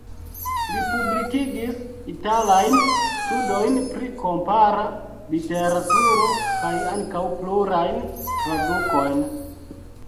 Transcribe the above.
Li publikigis italajn studojn pri kompara literaturo, kaj ankaŭ plurajn tradukojn.